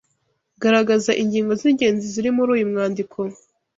Garagaza ingingo z’ingenzi ziri muri uyu mwandiko.